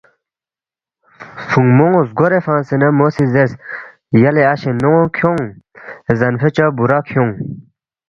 فُونگمونگ زگورے فنگسے نہ مو سی زیرس، یلے اشے نون٘و کھیونگ زنفے چوا بُورا کھیونگ